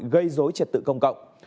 gây dối trật tự công cộng